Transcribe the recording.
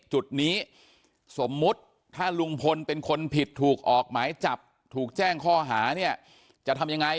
จุดนี้สมมุติถ้าลุงพลเป็นคนผิดถูกออกหมายจับถูกแจ้งข้อหาเนี่ยจะทำยังไง